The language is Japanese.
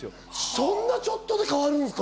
そんなちょっとで変わるんですか？